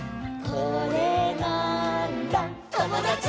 「これなーんだ『ともだち！』」